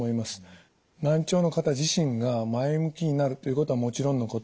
難聴の方自身が前向きになるということはもちろんのこと